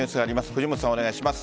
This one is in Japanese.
藤本さん、お願いします。